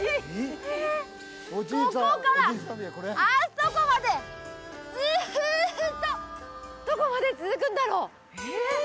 ここからあそこまでずっとどこまで続くんだろう？